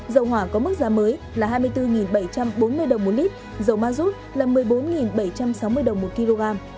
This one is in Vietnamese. dầu hỏa có mức giá mới là hai mươi bốn bảy trăm bốn mươi đồng một lít dầu ma rút là một mươi bốn bảy trăm sáu mươi đồng một kg